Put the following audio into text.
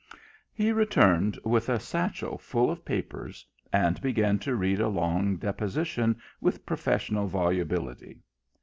He returned with a satchel full of papers, and began to read a long deposition with professional volubility.